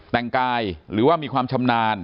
แต่งกายหรือว่ามีความชำนาญ